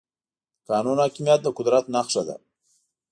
د قانون حاکميت د قدرت نښه ده.